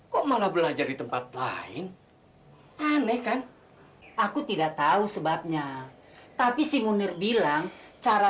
kok malah belajar di tempat lain aneh kan aku tidak tahu sebabnya tapi si munir bilang cara